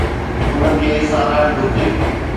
ان کي ساراهڻ گهرجي.